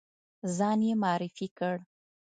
ځان یې معرفي کړ.